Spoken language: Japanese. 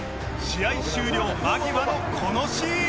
試合終了間際のこのシーン